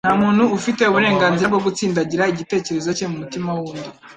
Nta muntu ufite uburenganzira bwo gutsindagira igitekerezo cye mu mutima w'undi.